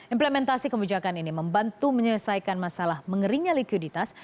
implementasi kebijakan ini membantu menyelesaikan masalah mengeringnya likuiditas